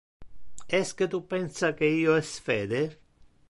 Esque tu pensa que io es fede?